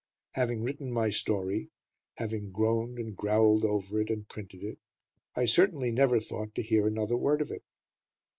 Having written my story, having groaned and growled over it and printed it, I certainly never thought to hear another word of it.